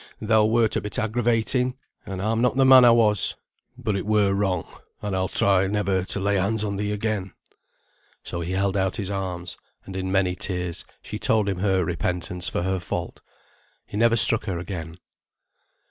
Thou wert a bit aggravating, and I'm not the man I was. But it were wrong, and I'll try never to lay hands on thee again." So he held out his arms, and in many tears she told him her repentance for her fault. He never struck her again.